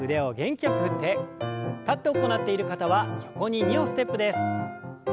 立って行っている方は横に２歩ステップです。